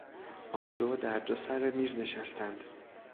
آن دو در دو سر میز نشستند.